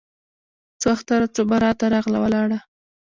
څو اختره څو براته راغله ولاړه